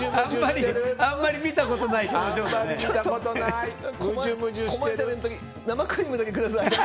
あんまり見たことない表情だね。